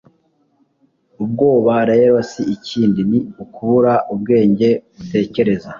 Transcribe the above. ubwoba rero si ikindi ni ukubura ubwenge butekereza